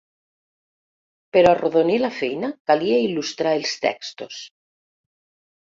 Per arrodonir la feina calia il·lustrar els textos.